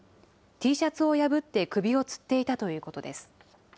Ｔシャツを破って首をつっていたということです。